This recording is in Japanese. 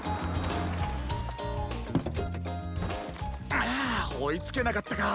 あっおいつけなかったか！